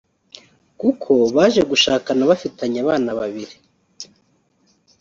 kuko baje gushakana bafitanye abana babiri